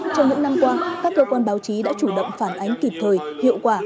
trong những năm qua các cơ quan báo chí đã chủ động phản ánh kịp thời hiệu quả